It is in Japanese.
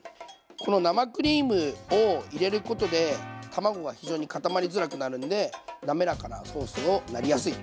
この生クリームを入れることで卵が非常に固まりづらくなるんでなめらかなソースをなりやすい。